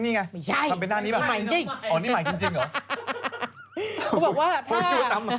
ก็บอกว่าถ้า